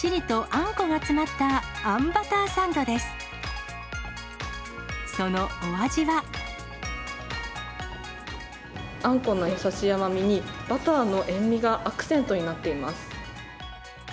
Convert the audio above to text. あんこの優しい甘みに、バターの塩味がアクセントになっています。